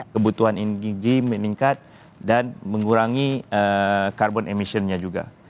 kebutuhan ingi meningkat dan mengurangi carbon emissionnya juga